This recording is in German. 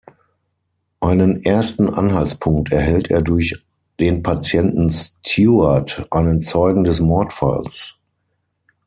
Einen ersten Anhaltspunkt erhält er durch den Patienten Stuart, einen Zeugen des Mordfalls.